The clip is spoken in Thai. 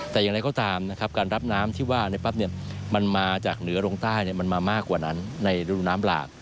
แต่อย่างไรก็ตามนะครับการรับน้ำที่ว่าในปั๊บมันมาจากเหนือลงใต้มันมามากกว่านั้นในฤดูน้ำหลาก